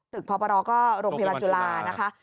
พปรก็โรงพยาบาลจุฬานะคะ